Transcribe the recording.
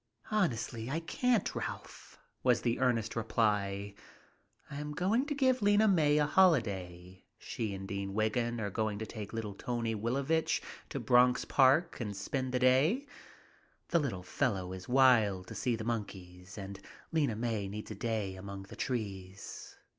"Honestly, I can't, Ralph," was the earnest reply. "I am going to give Lena May a holiday. She and Dean Wiggin are going to take little Tony Wilovich to Bronx Park and spend the day. The little fellow is wild to see the monkeys and Lena May needs a day among the trees."